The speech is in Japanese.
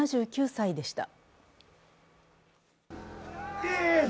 ７９歳でした。